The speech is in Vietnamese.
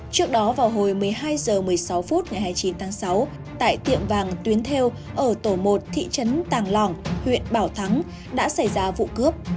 trước đó vào hồi một mươi hai h một mươi sáu phút ngày hai mươi chín tháng sáu tại tiệm vàng tuyến theo ở tổ một thị trấn tàng lỏng huyện bảo thắng đã xảy ra vụ cướp